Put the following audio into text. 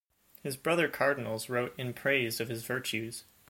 His brother Cardinals wrote in praise of his virtues.